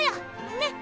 ねっ。